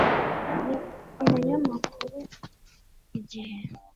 Ni umunyamakuru w'ikinyamakuru Igihe.